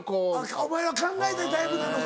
お前は考えたいタイプなのか。